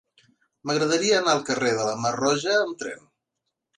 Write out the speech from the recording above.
M'agradaria anar al carrer de la Mar Roja amb tren.